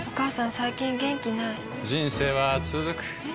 最近元気ない人生はつづくえ？